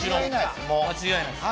間違いないです